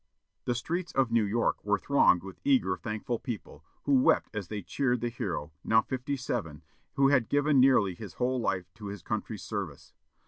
The streets of New York were thronged with eager, thankful people, who wept as they cheered the hero, now fifty seven, who had given nearly his whole life to his country's service.